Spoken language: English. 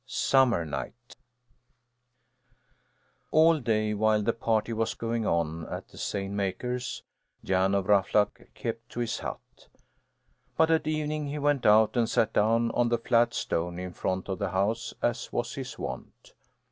SUMMERNIGHT All day, while the party was going on at the seine maker's, Jan of Ruffluck kept to his hut. But at evening he went out and sat down up on the flat stone in front of the house, as was his wont.